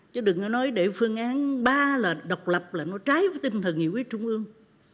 chứ đừng nói để phương án ba là độc lập là nó trái với tinh thần nghị quyết trung ương